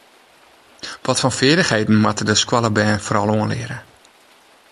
Watfoar feardichheden moat de skoalle bern foaral oanleare?